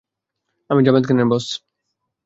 আমি জাভেদ খানের বস।